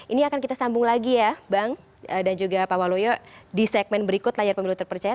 ini akan kita sambung lagi ya bang dan juga pak waluyo di segmen berikut layar pemilu terpercaya